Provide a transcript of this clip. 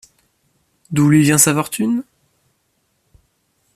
D’où lui vient sa fortune?